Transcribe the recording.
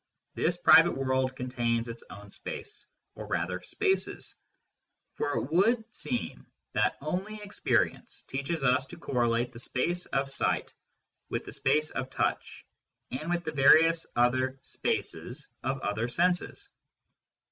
This private world contains its own space, or rather spaces, for it would seem that only experience teaches us to correlate the space of sight with the space of touch and with the various other spaces of other senses.